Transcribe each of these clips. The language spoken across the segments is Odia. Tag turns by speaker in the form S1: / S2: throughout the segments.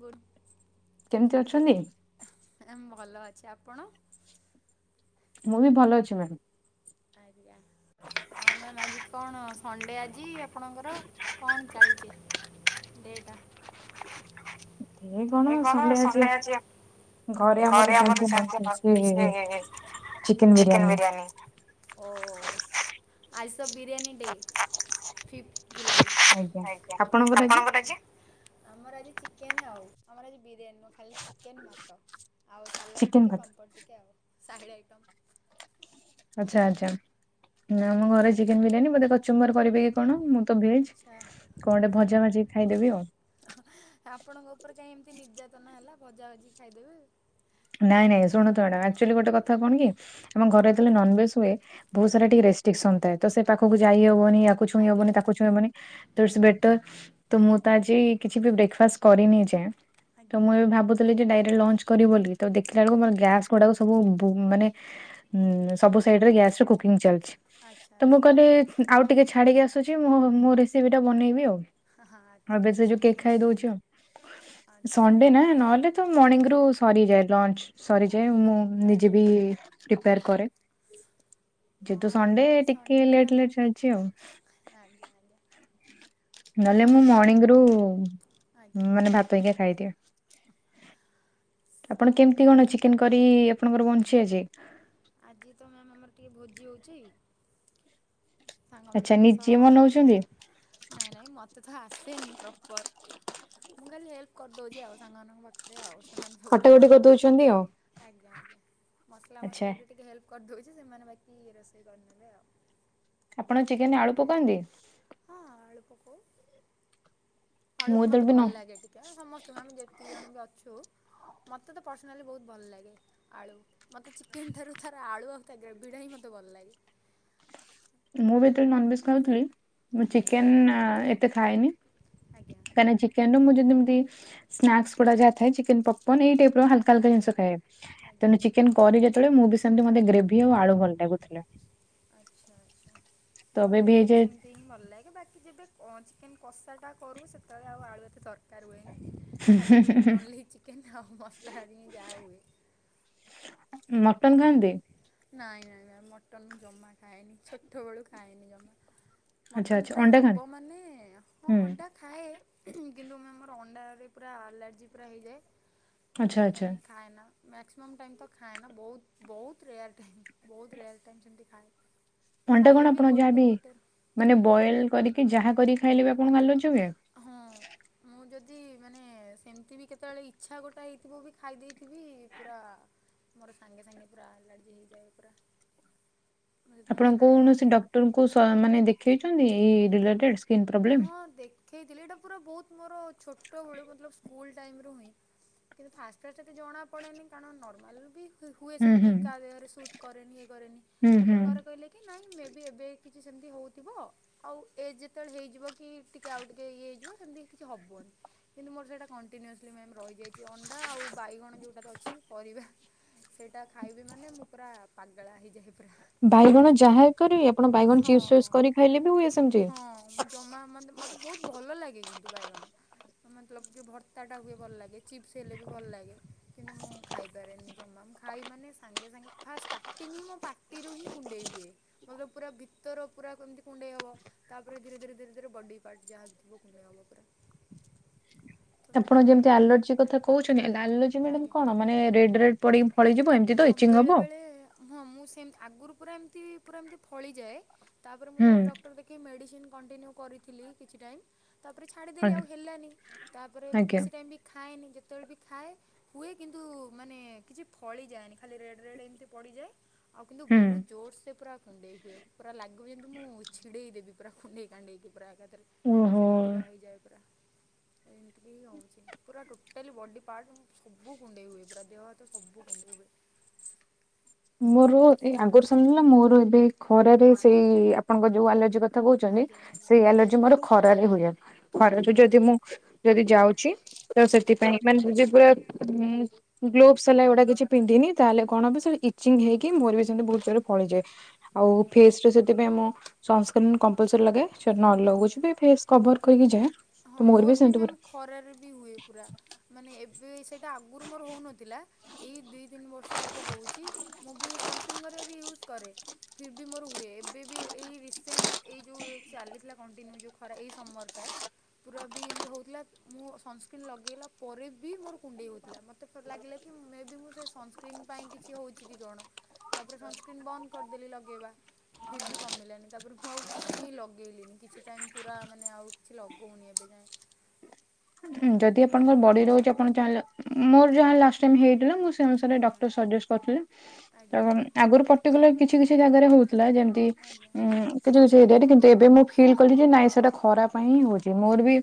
S1: ଗୁଡ଼୍
S2: କେମିତି ଅଛନ୍ତି?
S1: ଭଲ ଅଛି ଆପଣ?
S2: ମୁଁ ବି ଭଲ ଅଛି ମ୍ୟାମ୍।
S1: ଆରିଆ ହଁ ମ୍ୟାମ୍ ଆଜି କଣ? ସଣ୍ଡେ ଆଜି ଆପଣଙ୍କର କଣ ଚାଲିଚି? ଡେ ଟା ଏ କଣ ସଣ୍ଡେ ଆଜି ଘରେ
S2: ଚାଲିଛି
S1: ଆମର
S2: ନନ
S1: ଚାଲିଚି
S2: ଭେଜ
S1: [unintelligible] ଚିକେନ ବିରିୟାନୀ। ଓ ଆଇ ସ ବିରିୟାନୀ ଡେ ଫି ଜୁଲାଇ ଆଜ୍ଞା ଆପଣଙ୍କର ଆଜି? ଆମର ଆଜି ଚିକନ୍ ଆଉ ଆମର ଆଜି ବିରିୟାନୀ ନୁହଁ। ଖାଲି ଚିକେନ୍ ଭାତ ଆଉ ସାଲାଡ଼
S2: ଚିକେନ
S1: ଟିକେ,
S2: ଭାତ
S1: ପାମ୍ପଡ଼ ଟିକେ ଆଉ ସାହିଡ଼୍ ଆଇଟମ୍।
S2: ଆଚ୍ଛା ଆଛା ନା ଆମ ଘରେ ଚିକେନ୍ ବିରିୟାନୀ ମତେ ଚୁମର୍ କରିବେକି କଣ ମୁଁତ ଭେଜ୍ କଣ ଭଜା ଭାଜି ଖାଇଦେବି ଆଉ।
S1: ଆପଣଙ୍କ ଉପରେ କାହିଁ, ଏମତି ନିର୍ଯାତନା ହେଲା ଭଜା ଭାଜି ଖାଇଦେବେ।
S2: ନାଇଁ ନାଇଁ ଶୁଣନ୍ତୁ ମ୍ୟାଡ଼ାମ ଆକ୍ଚୁଆଲି ଗୋଟେ କଥା କଣ କି ଆମ ଘରେ ଯେତେବେଳେ ନନଭେଜ ହୁଏ ବହୁତ୍ ସାରା ଟିକେ ଷ୍ଟିକ୍ସନ୍ ଥାଏ ତସେ ପାଖକୁ ଯାଇହବନି ୟାକୁଛଇଁବନି, ତାକୁଛଇଁବନି। ତ ସେ ବେଟର୍ ତମୁଁତ ଆଜି କିଛି ବି ବ୍ରେଫାଷ୍ଟ କରିନି ଏଯାଏ ତମୁଁ ଏବେ ଭାବୁଥିଲି ଯେ, ଡାଇରେକ୍ଟ ଲଞ୍ଚ କରିବ ବୋଲି ତଦେ ଦେଖିଲା ବେଳକୁ ଗ୍ୟାସ ଗୁଡ଼ାକ ସବୁ ବ ଉ ସାଇଡ଼ରେ ଗ୍ୟାସ କିଂ ଚାଲିଚି ତମୁଁ କହିଲି ଆଉ ଟିକିଏ ଛାଡ଼ିକି ଆସୁଚି ମୁଁ ମୋ ରେସିପିଟା ବନେଇବି ଆଉ। ଏବେ ସେଯୋଉ କେକ୍ ଖାଇ ଦଉଚି ଆଉ ସଣ୍ଡେନା ନହେଲେ ମର୍ଣିଙ୍ଗରୁ ସରିଯାଏ ଲଞ୍ଚ ସରିଯାଏ ମୁଁ ନିଜେବି ପ୍ରିପାର କରେ। ଯେହେତୁ ସଣ୍ଡେ ଟିକେ ଲେଟ୍ ଲେଟ୍ ଚାଲିଚି ଆଉ।
S1: ଆଜ୍ଞା ଆଜ୍ଞା।
S2: ନହେଲେ ମୁଁ, ମର୍ଣିଙ୍ଗରୁ ମାନେ ଭାତ ହେଇକି ଖାଇଦିଏ। ଆପଣ କେମତି କଣ, ଚିକେନ୍ କରି ଆପଣଙ୍କର ବଞ୍ଚିଚେଞ୍ଜ
S1: ଆଜିତ ମ୍ୟାମ ଆମର ଟିକେ ଭୋଜି ହଉଚି
S2: ଆଚ୍ଛା ନିଜେ ବନୋଉଚନ୍ତି?
S1: ନାଇଁ ନାଇଁ ମୋତେତ ଆସେନି, ପ୍ରପର୍ ମୁଁଖାଲି ହେଲ୍ପ କରିଦେଉଚି ଆଉ ସାଙ୍ଗମାନଙ୍କ ପାଖରେ। ପାଖରେ ଆଉ ସେମାନେ ସବୁ
S2: କଟାକଟି କରିଦଉଛନ୍ତି ଆଉ
S1: ବନାଉଚନ୍ତି ଆଜ୍ଞା ଆଜ୍ଞା ମସଲା
S2: ଆଚ୍ଛା
S1: ମସଲିରେ ଟିକେ ହେଲ୍ପ କରିଦେଉଛି ସେମାନେ ବାକି ରୋଷେଇ କରିନେଲେ ଆଉ।
S2: ଆପଣ ଚିକେନରେ ଆଳୁ ପକାନ୍ତି?
S1: ହଁ ଆଳୁ ପକଉ
S2: ମୁଁ
S1: ଆଳୁକୁ
S2: ଯେତେବେଳେ
S1: ମତେ
S2: ବି
S1: ଭଲ
S2: ନ
S1: ଲାଗେ ଟି ଆଜ୍ ଆ, ସମସ୍ତଙ୍କୁ ଆମେ ଯେତିକି ଜଣବି ଅଛୁ ମୋତେତ ପର୍ସନାଲି ବହୁତ୍ ଭଲ ଲାଗେ। ଆଳୁ ମୋତେ ଚିକେନ୍ ଠାରୁ, ଥର ଆଳୁ ଆଉ ତା ଗ୍ରେଭିଟା ହିଁ ମୋତେ ଭଲ ଲାଗେ।
S2: ମୁଁବି ଯେତେବେଳେ ନନଭେଜ୍ ଖାଉଥିଲି ମୁଁ ଚିକେନ୍ ଏତେ ଖାଏନି କାହିଁକି ଚିକେନର ମୁଁଯଦି ଯେମତି, ସ୍ନାକ୍ସୁଡା ଯାଇଥାଏ ଚିକେନ୍ ପପକନ୍ ଏଇ ଟାଇପିର କାଲକା ଜିନିଷ ଖାଏ ତେଣୁ ଚିକେନ୍ କରି ଯେତେବେଳେ, ମୁଁବି ସେମିତି ମତେ ଗ୍ରେଭି ଆଉ ଆଳୁ ଭଲ ଲାଗୁଥିଲା।
S1: ଆଚ୍ଛା ଆଚ୍ଛା
S2: ତ ଏବେ
S1: ମୋତେ
S2: ବି
S1: କିନ୍ତୁ
S2: ହେଇଯାଏ
S1: ସେମିତିହିଁ ଭଲ ଲାଗେ ବାକି ଯେବେ ଅଁ ଚିକେନ୍ କଷାଟା କରୁ ସେତେବେଳେ ଆଉ ଆଳୁ ଏତେ ଦରକାର ହୁଏନି। ଖାଲି ଓନ୍ଲି ଚିକେନ, ଆଉ ମସଲା ହାରି ଯାହା ହୁଏ।
S2: ମଟନ୍ ଖାଆନ୍ତି?
S1: ନାଇଁ ନାଇଁ ନାଇଁ ମଟନ୍ ମୁଁ ଜମା ଖାଏନି ଛୋଟବେଳୁ ଖାଏନି ଜମା।
S2: ଆଚ୍ଛା
S1: ମଟନ୍
S2: ଆଚ୍ଛା
S1: ପୁରା
S2: ଅଣ୍ଡା
S1: ହେବ
S2: ଖାଆନ୍ତି?
S1: ମାନେ ହଁ
S2: ହୁଁ
S1: ଅଣ୍ଡା ଖାଏ କିନ୍ତୁ ମ୍ୟାମ୍ ଆମର ଅଣ୍ଡାରେ ପୁରା ଆଲର୍ଜି ପୁରା ହେଇଯାଏ। ତ
S2: ଆଚ୍ଛା ଆଚ୍ଛା
S1: ସେଥିପାଇଁଁ ଖାଏନା ମ୍ୟାକ୍ସିମମ୍ ଟାଇମ୍ ତ ଖାଏନା ବହୁତ୍ ବହୁତ ରେୟାର୍ ଟାଇମ୍ ବହୁତ୍ ରେୟାର୍ ଟାଇମ୍ ସେମିତି ଖାଏ।
S2: ଅଟେ କଣ ଆପଣ ଯାହାବି, ମାନେ ବଏଲ କରିକି ଯାହା କରିକି ଖାଇଲେବି ଆପଣଙ୍କୁ ଆଲାର୍ଜି ହୁଏ?
S1: ହଁ। ମୁଁ ଯଦି ମାନେ ସେମିତିବି କେତେବେଳେ ଇଛା ଗୋଟେ ହେଇଥିବବି ଖାଇ ଦେଇେଇଥିବି ପୁରା ମୋର ସାଙ୍ଗେ ସାଙ୍ଗେ, ପୁରା ଆଲାର୍ଜି ହେଇଯାଏ ପୁରା।
S2: ଆପଣ କୌଣସି ଡକ୍ଟରଙ୍କୁ ସ ମାନେ ଦେଖେଇଛନ୍ତି ଏଇ ରିଲେଟେଡ? Skin problem?
S1: ହଁ ଦେଖେଇଥିଲି ଏଇଟା ପୁରା ବହୁତ୍ ମୋର ଛୋଟବେଳୁ ମତଲବ ସ୍କୁଲ୍ ଟାଇମିରୁ ହୁଏଁ। କିନ୍ତୁ ଫାଷ୍ଟ ଫାଷ୍ଟ ଏତେ ଜଣାପଡ଼େନି କାରଣ ନର୍ମାଲ ବି ହୁଏ
S2: ହୁଁ ହୁଁ
S1: ସେମିତି କାହା ଦେହରେ ସୁଟ୍ କରେନି ଇଏ କରେନି
S2: ହୁଁ
S1: ତାପରେ
S2: ହୁଁ।
S1: ଘରେ କହିଲେ କି ନାଇଁ ମେବି ଏବେ କିଛି ସେମିତି ହଉଥିବ ଆଉ ଏଜ୍ କେତେବେଳେ ହେଇଯିବକି ଟିକେ ଆଉ ଟିକେ ଇଏ ହେଇଯିବ ସେମିତି କିଛି ହବନି। କିନ୍ତୁ ମୋର ସେଇଟା କଣ୍ଟିନ୍ୟୁଅସଲି ମ୍ୟାମ୍ ରହିଯାଇଛି ଅଣ୍ଡା ଆଉ ବାଇଗଣ ଯୋଉଁଟା ରେ ଅଛି ପରିବା। ସେଇଟା ଖାଇବି ମାନେ ମୁଁ ପୁରା ପାଗେଳା ହେଇଯାଏ ପୁରା।
S2: ବାଇଗଣ ଯାହା କରି ଆପଣ ବାଇଗଣ ଚିପ୍ସ ଫିପ୍ସ କରି ଖାଇଲେ ବି ହୁଏ ସେମିତି?
S1: ମୁଁ ଜମା ମତ ମତେ ବହୁତ ଭଲ ଲାଗେ କିନ୍ତୁ ବାଇଗଣ। ମତଲବ କି ଭର୍ତାଟା ହୁଏ ଭଲ ଲାଗେ ଚିପ୍ସ ହେଲେ ବି ଭଲ ଲାଗେ କିନ୍ତୁ ମୁଁ ଖାଇପାରେନି ଜମା। ଖାଇବି ମାନେ ସାଙ୍ଗେ ସାଙ୍ଗେ ଫାଷ୍ଟ ଷ୍ଟାର୍ଟିଂ ହିଁ ମୋ ପାଟିରୁ ହିଁ କୁଣ୍ଡେଇ ହୁଏ। ମତଲବ୍ ପୁରା ଭିତର ପୁରା କେମତି କୁଣ୍ଡେଇ ହବ ତାପରେ ଧୀରେ ଧୀରେ ଧୀରେ ଧୀରେ ବଡି ପାର୍ଟ ଯାହା ବି ଥିବ କୁଣ୍ଡେଇ ହବ ପୁରା।
S2: ଆପଣ ଯେମିତି ଆଲର୍ଜି କଥା କହୁଛନ୍ତି ହେଲେ ଆଲର୍ଜି ମ୍ୟାଡାମ କଣ ମାନେ ରେଡ ରେଡ ପଡିକି ଫଳିଯିବ ହ ଏମିତି ତ ଇଚିଙ୍ଗ ହବ ଆଉ।
S1: ହଁ ମୁଁ ସେମ ଆଗୁରୁ ପୁରା ଏମିତି ପୁରା ଏମିତି ଫଳିଯାଏ ତାପରେ ମୁଁ
S2: ହୁଁ
S1: ଯେତେବେଳେ ଡକ୍ଟର ଦେଖେଇ ମେଡ଼ିସିନ କଣ୍ଟିନ୍ୟୁ କରିଥିଲି କିଛି ଟାଇମ୍ ତାପରେ ଛାଡ଼ିଦେଲି
S2: ଆଜ୍ଞା
S1: ଆଉ ହେଲାନି ତାପରେ
S2: ଆଜ୍ଞା,
S1: ବେଶୀ ଟାଇମ୍ ବି ଖାଏନି ଯେ ତେବେଳେ ବି ଖାଏ ହୁଏ କିନ୍ତୁ ମାନେ କିଛି ଫଳି ଯାଏନି ଖାଲି ରେଡ ରେଡ ଏମିତି ପଡିଯାଏ ଆଉ କିନ୍ତୁ ବହୁତ
S2: ହୁଁ।
S1: ଜୋର ସେ ପୁରା କୁଣ୍ଡେଇ ହୁଏ ପୁରା ଲାଗିବ ଯେମିତି ମୁଁ ଛିଡ଼େଇ ଦେବି ପୁରା କୁଣ୍ଡେଇ କାଣ୍ଡେଇକି ପୁରା ଏକାଥରେ।
S2: ଓହୋ।
S1: ଏମିତିକା ହେଇଯାଏ ପୁରା ଏମିତି ବି ହଉଛି। ପୁରା ଟୋଟାଲି ବଡ଼ି ପାର୍ଟ ସବୁ କୁଣ୍ଡେଇ ହୁଏ ପୁରା ଦେହ ହାତ ସବୁ କୁଣ୍ଡେଇ ହୁଏ।
S2: ମୋର ଏଇ ଆଗରୁ ସରିଲା ମୋର ଏବେ ଖରାରେ ସେଇ ଆପଣଙ୍କ ଯୋଉ ଆଲାର୍ଜି କଥ ଥା କହୁଛନ୍ତି ସେଇ ଆଲର୍ଜି ମୋର ଖରାରେ ହୁଏ। ଖରାରେ ଯଦି ମୁଁ ଯଦି ଯାଉଛି ତ ସେଥିପାଇଁ ମାନେ ଯଦି ପୁରା ମୁଁ ଗ୍ଲୋଭସ ହେଲା ଏଗୁଡା କିଛି ପିନ୍ଧିନି ତାହେଲେ କଣ ହବ ସେ ଇ ହେଇକି ମୋର ବି ସେମିତି ବହୁତ୍ ଜୋରେ ଫଳି ଯାଏ ଆଉ ଫେସ ତ ସେଥିାଇଁ ମୁଁ ସନସ୍କ୍ରିନ କମ୍ପଲସରୀ ଲାଗାଏ। ଯଦି ନ ଲଗଉଛି ବି ଫେସ କଭର କରିକି ଯାଏ ତ ମୋର ବି ସେମତି ପୁରା
S1: ଖରାରେ ବି ହୁଏ ପୁରା। ମାନେ ଏବେ ସେଇଟା ଆଗରୁ ମୋର ହଉନଥିଲା ଏଇ ଦି ତିନି ବର୍ଷ ହବ ହଉଛି ମୁଁ ବି ସନସ୍କ୍ରିନ୍ ଘରିଆ ବି ୟୁଜ୍ କରେ ଫିର୍ ବି ମୋର ହୁଏ ଏବେ ବି ଏଇ ରିସେଣ୍ଟ ଏଇ ଯୋଉ ଚାଲି ଥିଲା କଣ୍ଟିନ୍ୟୁ ଯୋଉ ଖରା ଏଇ ସମରଟା ପୁରା ବି ଏମିତି ହଉଥିଲା ମୁଁ ସନସ୍କ୍ରିନ୍ ଲଗେଇଲା ପରେ ବି ମୋର କୁଣ୍ଡେଇ ହଉଥିଲା ମୋତ ତେ ଲାଗିଲା କି ମେ ବି ମୁଁ ସେ ସନସ୍କ୍ରିନ ପାଇଁ କିଛି ହଉଛି କି କଣ? ତାପରେ ସନସ୍କ୍ରିନ୍ ବନ୍ଦ କରିଦେଲି ଲଗେଇବା। ଫିର ବି କମିଲାନି ତାପରେ ମୁଁ ଆଉ କିଛି ହିଁ ଲଗେଇଲିନି। କିଛି ଟାଇମ୍ ପୁରା ମାନେ ଆଉ କିଛି ଲଗଉନି ଏବେ ଯାଏଁ।
S2: ଯଦି ଆପଣଙ୍କର ବଡି ରହୁଛି ଆପଣ ଚାହିଁଲେ ମୋର ଯାହା ଲଷ୍ଟ ଟାଇମ ହେଇଥିଲା ମୁଁ ସେଇ ଅନୁସାରେ ଡକ୍ଟର ସଜେଷ୍ଟ କରିଥିଲେ ଏବଂ ଆଗରୁ ପଟିକୁଲାର କିଛି କିଛି ଜାଗାରେ ହଉଥିଲା ଯେମ ତି ଉଁ କିଛି କିଛି ହେଇଥାଏ କିନ୍ତୁ ଏବେ ମୁଁ ଫିଲ୍ କଲି ଯେ ନାଇଁ ସେଟା ଖରାପ ପାଇଁ ହଁ ହଉଛି ମୋର ବି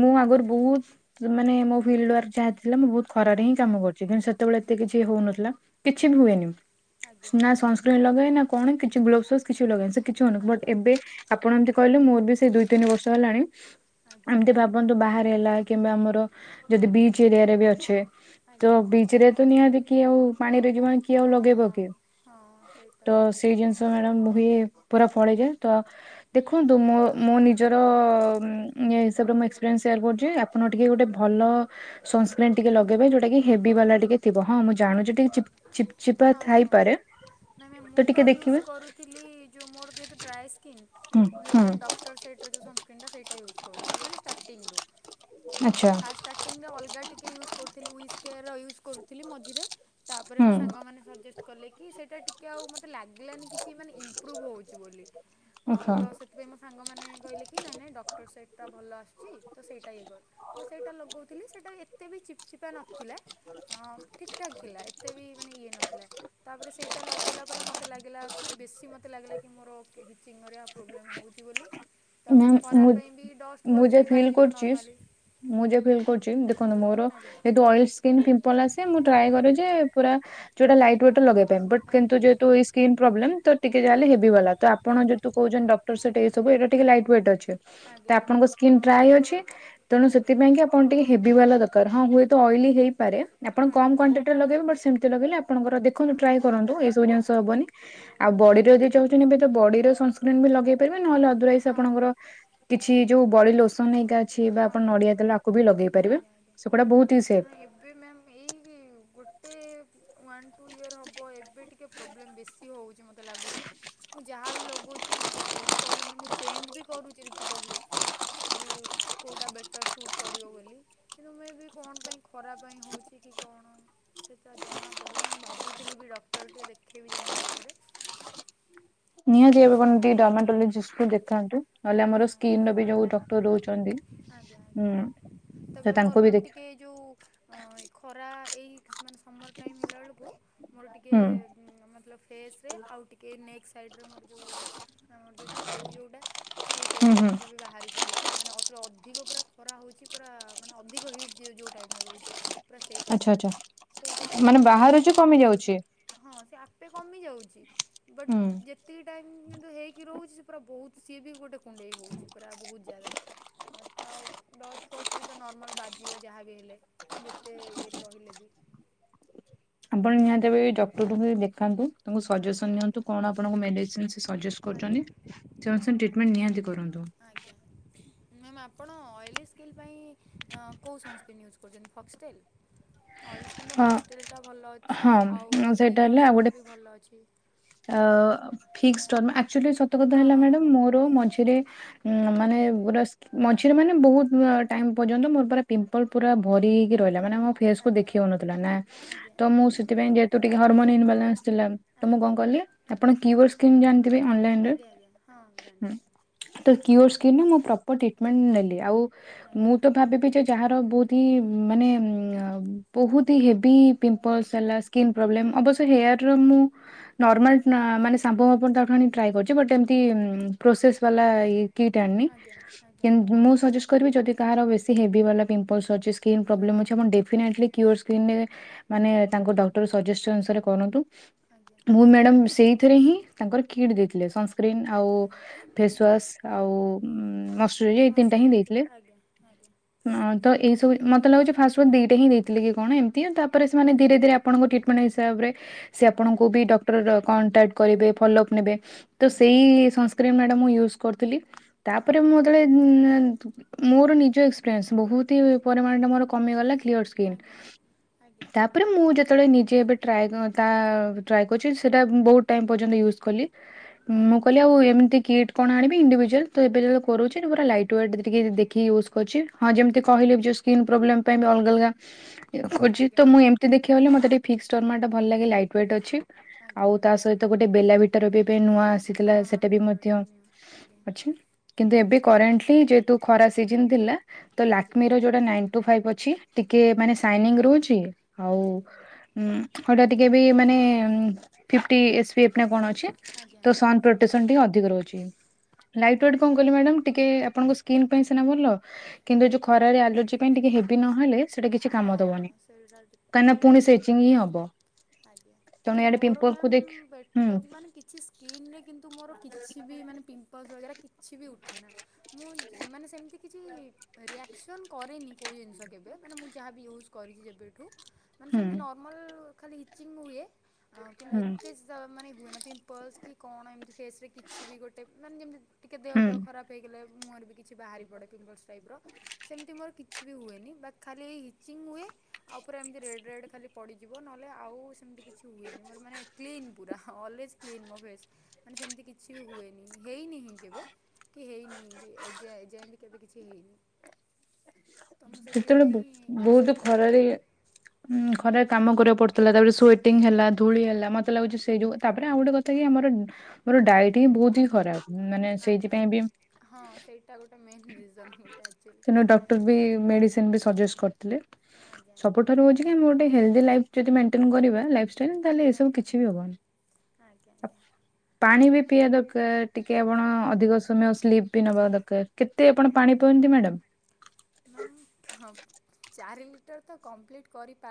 S2: ମୁଁ ଆଗରୁ ବହୁତ ମାନେ ମୋ ଫିଲ୍ଡ ୱାର୍କ ଯାହା ଥିଲା ମୁଁ ବହୁତ୍ ଖରାରେ ହିଁ କାମ କରିଛି କିନ୍ତୁ ସେତେବେଳେ ଏତେ କିଛି ହଉନଥିଲା କିଛି ବି ହୁଏନି। ନା ସନସ୍କ୍ରିନ୍ ଲଗାଏ ନା କଣ କିଛି ଗ୍ଲୋବସ ପ୍ଲୋପସ୍ କିଛି ବି ଲଗାଏନି। କିଛି ହଉନି ବଟ ଏବେ ଆପଣ ଏମିତି କହିଲେ ମୋର ବି ସେ ଦୁଇ ତିନି ବର୍ଷ ହେଲାଣି ଏମତି ଭାବ ଭାବନ୍ତୁ ବାହାରେ ହେଲା କିମ୍ବା ଆମର ଯଦି ବିଚ୍ ଏରିଆରେ ବି ଅଛେ ତ ବିଚରେ ତ ନିହାତି କିଏ ଆଉ ପାଣିରେ ଯିବନି କିଏ ଆଉ ଲଗେଇବ କି?
S1: ହଁ ସେଇଟା
S2: ତ
S1: ବି ଗୋଟ୍
S2: ସେଇ ଜିନିଷ ମ୍ୟାଡ଼ମ ହୁଏ ପୁରା ଫଳିଯାଏ ତ ଦେଖନ୍ତୁ ମୋ ମୋ ନିଜର ଉଁ ଇଏ ହିସାବରେ ମୁଁ ଏକ୍ସପିରିଏନ୍ସ ସେୟାର କରୁଛି ଆପଣ ଟିକେ ଗୋଟେ ଭଲ ସନସ୍କ୍ରିନ୍ ଟିକେ ଲଗେଇବେ ଯୋଉଟା କି ହେଭି ବାଲା ଟିକେ ଥିବ ହଁ ମୁଁ ଜାଣୁଛି ଟିକେ ଚିପ ଚିପ୍ ଚିପା
S1: ହଁ ହଁ
S2: ଥାଇପାରେ
S1: ନାଁ ମୁଁ ତ
S2: ଟିକେ
S1: ୟୁଜ
S2: ଦେଖିବେ
S1: କରୁ ଥିଲି ଯେଉଁ ମୋର ଯେହେତୁ ଡ୍ରାଏ ସ୍କିନ୍।
S2: ହୁଁ
S1: ମୁଁ
S2: ହୁଁ
S1: ସେଥିପାଇଁ ଡଟର ସାଇଟର ଯୋଉ ସଂସକ୍ରିମ ସେଇଟା ଇୟୁଜ କରୁଛି ମାନେ ଷ୍ଟାଟିଙ୍ଗି ରୁ ଅଁ
S2: ଆଚ୍ଛା
S1: ଫାଷ୍ଟ ଟିଙ୍ଗରେ ଅଲଗା ଟିକେ ଇୟୁଜ କରୁଥିଲି ଉଇସ କେୟାର ଇୟୁଜ କରୁଥିଲି ମଝିରେ ତାପରେ
S2: ହୁଁ
S1: ମାନେ ସଜେଷ୍ଟ କଲେ କି ସେଟା ଟିକେ ଆଉ ମତେ ଲାଗିଲାନି କିଛି ମାନେ ଇମପ୍ରୁଭ ହଉଛି ବୋଲି। ଅ
S2: ଆଚ୍ଛା
S1: ତ ସେଥିପାଇଁ ମୋ ସାଙ୍ଗମାନେ କହିଲେ କି ନାଇଁ ନାଇଁ ଡକ୍ଟର ସେଟ ଟା ଭଲ ଆସିୁଛି ତ ସେଇଟା ଇଏ କର। ମୁଁ ସେଇଟା ଲଗଉଥିଲି ସେଇଟା ଏତେ ବି ଚିପ ଚିପା ନଥିଲା ଅଁ ଠିକ୍ ଠାକ୍ ଥିଲା ଏତେ ବି ମାନେ ଇଏ ନଥିଲା ତାପରେ ସେଇଟା ଲଗେଇଲା ପରେ ମ ମୋତେ ଲାଗିଲା ବେଶୀ ମୋତେ ଲାଗିଲା କି ମୋର କି ଚିହ୍ନରେ ଆ ପ୍ରୋବ୍ଲେମ୍ ହେଉଛି ବୋଲି। ତାପରେ
S2: ମ୍ୟାମ୍
S1: ଖରା
S2: ମୁଁ
S1: ପାଇଁ ବି ଡଷ୍ଟ
S2: ମୁଁ
S1: ୱଷ୍ଟ
S2: ଯାହା
S1: ବି
S2: ଫିଲ୍
S1: ବାଜିବ
S2: କରୁଛି
S1: ନର୍ମାଲି।
S2: ମୁଁ ଯେ ଫିଲ୍ କରୁଛି ଦେଖନ୍ତୁ ମୋର ଯେହେତୁ ଅଏଲ ସ୍କିନ୍ ପିମ୍ପଲ ଆସେ ମୁଁ ଟ୍ରାଏ କରେ ଯେ ପୁରା ଯୋଉଟା ଲାଇଟ ୱେଟ ଲଗେଇପାଇଁ ବଟ୍ କିନ୍ତୁ ଯେତୁ ଏଇ ସ୍କ୍ରିନ ପ୍ରବ୍ଲେମ୍ ତ ଟିକେ ଯାହାଲେ ହେବି ବାଲା ତ ଆପଣ ଯୋଉ କହୁଛନ୍ତି ଡଟର ସେଟା ଏଇ ସବୁ ଏଇ ଟିକେ ଲାଇଟ ୱେଟେ ଅଛି, ତ ଆପଣଙ୍କୁ ସ୍କିନ ଡ୍ରାଏ ଅଛି ତେଣୁ ସେଥିପାଇଁ କା ଆପଣ ଟିକେ ହେଭି ବାଲା ଦରକାର ହଁ ହୁଏତ ଅଏଲି ହେଇପାରେ ଆପଣ କମ ଣ୍ଟର ଲଗେଇବେ ବଟ୍ ସେମତି ଲଗେଇଲେ ଆପଣଙ୍କର ଦେଖନ୍ତୁ ଟ୍ରାଏ କରନ୍ତୁ ଏଇସବୁ ଜିନିଷ ହେବନି। ଆଉ ବଡିର ଯଦି ଚାହୁଛନ୍ତି ଏବେ ତ ବଡିର ସନସ୍କ୍ରିନ୍ ବି ଲଗେଇ ପାରିବେ ନହେଲେ ଅଦୱାଇସ୍ ଆପଣଙ୍କର କିଛି ଯୋଉ ବଡି ଲୋସନ ହେରିକା ଅଛି ବା ଆପଣ ନଡିଆ ତେଲ ଆକୁ ବି ଲଗେଇ ପାରିବେ ସେଗୁଡ଼ା ବହୁତ ହି ସେଫ୍।
S1: ଏବେ ମ୍ୟାମ୍ ଏଇ ଗୋଟେ ୱାନ୍ ଟୁ ଇୟର ହବ ଏବେ ଟିକେ ଟିକେ ପ୍ରୋବ୍ଲେମ୍ ବେଶୀ ହଉଛି ମୋତେ ଲାଗୁଛି। ମୁଁ ଯାହା ବି ଲଗଉଛି ମୋତେ ସୁଟ୍ କରୁନି ମୁଁ ଚେଞ୍ଜ ବି କରୁଛି ରିପିଟେଡ଼ଲି। କି କୋଉଟା ବେଟର୍ ସୁଟ୍ କରିବ ବୋଲି। କିନ୍ତୁ ମେଁ ବି କଣ ପାଇଁ ଖରା ପାଇଁ ହଉଛି କି କଣ। ସେ ତ ଜଣାପଡୁନି ମୁଁ ଭାବୁଥିଲି ବି ଡକ୍ଟର ଟିକେ ଦେଖେଇବି ଯାଇକି ଆଉ ଥରେ।
S2: ନିହାତି ଭାବେ ଆପଣ ଟିକେ ଡର୍ମାଟୋଲୋଜିଷ୍ଟକୁ ଦେଖାନ୍ତୁ ନହେଲେ ଆମର ସ୍କିିନ ର ବି ଯୋଉ ଡକ୍ଟର ରହୁଛନ୍ତି।
S1: ଆଜ୍ଞା ଆଜ୍ଞା
S2: ହୁଁ ତ
S1: ତାପରେ ମୋର
S2: ତାଙ୍କୁ ବି
S1: ମ୍ୟାମ୍
S2: ଦେଖ
S1: ଟିକେ ଯୋଉ ଖରା ଏଇ ମାନେ ସମର୍ ଟାଇମ୍ ହେଲାବେଳକୁ ମୋର ଟିକେ
S2: ହୁଁ
S1: ମତଲବ ଫେସରେ ଆଉ ଟିକେ ନେକ୍ ସାଇଡ଼ରେ ମୋର ଯୋଉ ଅଁ ଯୋଉ ଛଉ ଯଉଁଟା ସିଏ
S2: ହୁଁ
S1: ସେଇଟା
S2: ହୁଁ
S1: ସେମିତି ବାହାରି ପଡୁଛି ମାନେ ଅତ ଅଧିକ ପୁରା ଖରା ହଉଛି ପୁରା ମାନେ ଅଧିକ ହିଟ୍ ଯିଏ ଯେଉଁ ଟାଇପର ରହୁଛି। ପୁରା ସେଇ
S2: ଆଚ୍ଛା
S1: ଟାଇପର
S2: ଆଚ୍ଛା
S1: ସେଇଟା ହେଲା
S2: ମାନେ
S1: ବେଳକୁ ବି
S2: ବାହାରୁଛି କମି
S1: କୁଣ୍ଡେଇ
S2: ଯାଉଛି।
S1: କାଣ୍ଡେଇ ହଁ ସେ ଆପେ କମିଯାଉଛି ବଟ୍
S2: ହୁଁ।
S1: ଯେ ଏତିକ ଟାଇମ୍ କିନ୍ତୁ ହେଇକି ରହୁଛି ସେ ପୁରା ବହୁତ ସିଏ ବି ଗୋଟେ କୁଣ୍ଡେଇ ହେଉଛି ପୁରା ବହୁତ ଜାଗା। ତ ଡଷ୍ଟ ଫଷ୍ଟ ବି ତ ନର୍ମାଲ ବାଜିବ ଯାହାବି ହେଲେ। ଯେତେ ଇଏରେ ରହିଲେ ବି।
S2: ଆପଣ ନିହାତି ଭାବେ ଡକ୍ଟର ଙ୍କୁ ବି ଦେଖାନ୍ତୁ। ତାଙ୍କ ସଜେସନ ନିଅନ୍ତୁ କଣ ଆପଣଙ୍କ ମେଡିସିନ୍ ସେ ସଜେସ୍ କରୁଛନ୍ତି। ସେ ଅନୁସାରେ ଟ୍ରିଟମେଣ୍ଟ ନିହାତି କରନ୍ତୁ।
S1: ଆଜ୍ଞା ମ୍ୟାମ୍ ଆପଣ ଅଏଲି ସ୍କିନ୍ ପାଇଁ କୋଉ ସନସ୍କ୍ରିନ ୟୁଜ୍ କରୁଛନ୍ତି ଫକ୍ସଟେଲ। ଅଏଲ ସ୍କିନ୍ ତ
S2: ହଁ
S1: ଫକ୍ସେଲ ଟା ଭଲ ଅଛି ଆଉ
S2: ହଁ
S1: ଡିକନଷ୍ଟ୍ରକ୍ଟ ବି ଭଲ ଅଛି।
S2: ଅ ଫିକ୍ସଟ୍ରମ୍ ଆକ୍ଚୋଲି ସତକଥା ହେଲା ମୋର ମଝିରେ ଉଁ ମାନେ ପୁରା ମଝିରେ ମାନେ ବହୁତ ଟାଇମ ପର୍ଯ୍ୟନ୍ତ ମୋର ପୁରା ପିମ୍ପଲ୍ ପୁରା ଭରି ହେଇକି ରହିଲା ମାନେ ମୋ ଫେସ୍ କୁ ଦେଖି ହଉ ନଥିଲା ନା ତ ମୁଁ ସେଥିପାଇଁ ଯେହେତୁ ଟିକେ ହରମୋନ ଇନବାଲାନ୍ସ ଥିଲା ତ ମୁଁ କ ଆପଣ କିଓର ସ୍କିନ ଜାଣିଥିବେ ଅନଲାଇନରେ, ହୁଁ। ତ କିଓର ସ୍କିନରେ ମୁଁ ପ୍ରପର ଟ୍ରିଟମେଣ୍ଟ ନେଲି ଆଉ ମୁଁ ତ ଭାବିବି ଯ ଯାହାର ବହୁତ ହି ମାନେ ବହୁତ ହି ହେଭି ପିମ୍ପଲସ ହେଲା। ସ୍କିନ୍ ପ୍ରୋବ୍ଲେମ ଅବଶ୍ୟ ହେୟାର ର ମୁଁ ନର୍ମାଲ ମାନେ ସାମ୍ପ ପାମ୍ପ ତାଠୁ ଆଣି ଟ୍ରାଏ କରିଛି, ବଟ୍ ଏମିତି ପ୍ରୋସେସ୍ ବାଲା କିଟି ଆଣିନି। ମୁଁ କିନ୍ତୁ ସଜେ କରିବି ଯଦି କାହାର ବେଶୀ ହେଭି ବାଲା ପିମ୍ପଲସ ଅଛି। ସ୍କିନ୍ ପ୍ରୋବ୍ଲେମ୍ ଅଛି ଡେଫିନେଟଲି କ କିଓର ସ୍କିନ ମାନେ ତାଙ୍କୁ ଡ଼କ୍ଟର କରନ୍ତୁ।
S1: ଆଜ୍ଞା।
S2: ମୁଁ ମ୍ୟାଡ଼ାମ ସେଇଥିରେ ହିଁ ତାଙ୍କର କିଟ୍ ଦେଇଥିଲେ। ସନ୍ସ୍ ସ୍କିନ୍ ଆଉ ଫେସୱାସ୍ ଆଉ ଉ ମସ
S1: ହସରାଥିବ ଆଜ୍ଞା ଆଜ୍ଞା
S2: ଅଁ, ତ ଏସବୁ ମୋତେ ଲାଗୁଛି ଫାଷ୍ଟଫୁ୍ ଦିଇ ଟା ଦେଇଥିଲେ କି କଣ ଏମତି ତାପରେ ସେମାନେ ଧୀରେ ଧରେ ଆପଣଙ୍କ ଟ୍ରିଟମେଣ୍ଟ ହିସାବରେ ତ ସେ ଆପଣଙ୍କୁ ବି ଡକ୍ଟର କଣ୍ଟାକ୍ଟ କରିବେ ଫଲୋଅପ ନେବେ। ତ ସେଇସ୍ [unintelligible] ମାଡାମ ୟୁଜ କରୁଥିଲୁ ତାପରେ ଯେତେବେଳେ ମୁଁ ନା ନେଏ ତୁ ମୋର ନିଜ ଏକ୍ସପିରିଏନ୍ସ ବହୁତ ହି ପରିମାଣ ଟା ମୋର କମିଗଲା। ନିୟସ କ୍ରିମି ତାପରେ ମୁଁ ଯେତେବେଳେ ନିଜେ ଏ ଟ୍ରାଏ ଟ୍ରାଏ କରିଛି ସେଇଟା ବହୁତ ଟାଇମ ପର୍ଯ୍ୟନ୍ତ ୟୁଜ କଲି। ମୁଁ କହିଲି ଆଉ ଏମିତି କିଟ୍ କଣ ଆଣିବି ଇଣ୍ଡିଭିଜୁଆଲ ତ ଏବେ ଯୋଉ କରୁଛୁ ପୁରା ଲାଇଟ୍ ୱେଟ ଟିକେ ଦେଖି ୟୁଜ କରୁଛି ହଁ ଯେମିତି କହିଲି। ସ୍କିନ ପୋବ୍ଲେମ ପାଇଁ ଅଲଗା ଅଲଗା କରିଛି। ତ ମୁଁ ଏମ ମତେ ଦେଖିବାକୁ ଗଲେ ମତେ ଫିକ୍ସ ଟର୍ମାଟାଲାଗେ ଲାଇଟ୍ ୱେଟ ଅଛି। ଆଉ ତା ସହିତ ଗୋଟେ ବେଲା ଭଟର ବି ପାଇଁ ନୂଆ ଆସିଥିଲା ସେଟା ବି ମଧ୍ୟ ଅଛି। କିନ୍ତୁ ଏବେ କରେଣ୍ଟଲି ଯେହେତୁ ଖରା ସିଜିନି ଥିଲା ତ ଲାକ୍ଷ୍ମୀର ନାଇନ ଟୁ ଫାଇବି ଅଛି। ଟିକେ ମାନେ ସାଇନିଙ୍ଗ ରହୁଛି ଆଉ ହୁଁ ସେଟା ଟିକେ ବି ମାନେ ଫିଟି କଣ ସନ ଅଧିକ ରହୁଛି। ଲାଇଟ ୱେଟ କଣ କହିଲେ ମ୍ୟାଡାମ ଟିକେ ଆପଣଙ୍କ ସ୍କିନ ଭଲ କିନ୍ତୁ ଖରା ଆଲର୍ଜି ପାଇଁ ଟିକେ ହେବି ନହେଲେ ସେଟା କିଛି କାମ ଦବନି କାହିଁନା ପୁଣି ସେଚିଂ ହିଁ ହବ।
S1: ଆଜ୍ଞା
S2: ତେଣୁ
S1: ନା
S2: ଇଆଡେ
S1: ମୋର
S2: ପିମ୍ପଲକୁ
S1: ମ୍ୟାମ୍
S2: ଦେଖ ହୁଁ
S1: ବେଟକୁ ମାନେ କିଛି କିନୀରେ କିନ୍ତୁ ମୋର କିଛି ବି ମାନେ ପିମ୍ପଲ୍ସ ବଗରା କିଛି ବି ଉଠେନା। ମୁଁ ମାନେ ସେମିତି କିଛି ରିଆକ୍ସନ କରେନି କୋଉ ଜିନିଷ କେବେ ମାନେ ମୁଁ ଯାହାବ ବି ୟୁଜ୍ କରିଛି ଯେବେଠୁ ମାନେ
S2: ହୁଁ
S1: ସେମିତି ନର୍ମାଲ ଖାଲି ଇଚିଙ୍ଗି ହୁଏ। ଆଉ କିନ୍ତୁ
S2: ହୁଁ
S1: ଏତେ ମାନେ ହୁଏ। ନା ପିମ୍ପଲ୍ସ କି କଣ ଏମିତି ଫେସ ରେ କିଛି ବି ଗୋଟେ ମାନେ ଯେମିତି ଟିକେ ଦେହ
S2: ହୁଁ
S1: ପେହ ଖରାପ ହେଇଗଲେ ମୁହଁ ରେ ମୋର ବି କିଛି ବାହାରି ପଡ଼େ ପିମ୍ପଲ୍ସ ଟାଇପ ର ସେମିତି ମୋର କିଛି ବି ହୁଏନି ବା ଖାଲି। ଇଚିଙ୍ଗି ହୁଏ ଆଉ ପୁରା ଏମତି ରେ ରେଡ ରେଡ ଖାଲି ପଡିଯିବ ନହଲେ ଆଉ ସେମିତି କିଛି କିଛି ହୁଏନି ମୋର କ୍ଲିନ। ପୁରା ଅଲୱେଜ୍ କ୍ଲିନ୍ ମୋ ଫେସ୍ ମାନେ ସେମିତି କିଛି ବି ହୁଏନି ହେଇନି ହିଁ କେବେ। କି ହେଇନି ବି ଏଯା ଯାଏବି କେବେ କିଛି ହେଇନି। ତମେ
S2: ସେତେବେଳେ
S1: ସେଥିପାଇଁ
S2: ବ-
S1: ହିଁ
S2: ବହୁତ ଖରାରେ ଖରା କାମ କରିବାକୁ ପଡୁଥିଲା ତାପରେ ସୁଇଣ୍ଟୁ ହେଲା ଧୂଳି ହେଲା ମତେ ମତେ ଲାଗୁଛି ସେଇ ଯୋଉ ତାପରେ ଆଉ ଗୋଟେ କଥା କି ଆମର ମୋର ଡାଏଟ୍ ହିଁ ବହୁତ ହିଁ ଖରାପ ମାନେ ସେଇଥିପାଇଁ ବି।
S1: ହଁ ସେଇଟା ଗୋଟେ ମେନ୍ ରିଜନ ଗୋଟେ ଆଚୁଆଲି।
S2: ସେଦିନ ଡକ୍ଟର ବି ମେଡ଼ିସିନ ସଜେଟ କରିଥିଲେ ସବୁଠାରୁ ହଉଛି ଆମେ ଗୋଟେ ହେଲ୍ଦି ଲାଇଫ ଯଦି ମେଣ୍ଟେନ କରିବା ଲାଇଫଷ୍ଟାଇଲ ତାହେଲେ ଏସବୁ କିଛି ବି ହବନି। ପାଣି ବି ପିଇବା ଦରକାର ଟିକେ ଆପଣ ଅଧିକ ସମୟ ସ୍ଲିପ। ପି ନବା ଦରକାର କେତେ ଆପଣ
S1: ଆଜ୍ଞା
S2: ପାଣି
S1: ଆଜ୍ଞା
S2: ପିଅନ୍ତି ମ୍ୟାଡାମ?
S1: ଆଜ୍ଞା। ମାମ ହଁ ଚାରି ଲିଟର ତ କମ୍ପ୍ଲିଟ୍ କରିପାର।